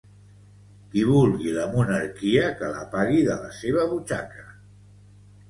Qui vulgui la monarquia que la pagui de la seva butxaca